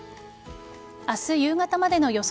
明日夕方までの予想